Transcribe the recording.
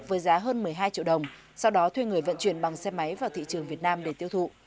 với giá hơn một mươi hai triệu đồng sau đó thuê người vận chuyển bằng xe máy vào thị trường việt nam để tiêu thụ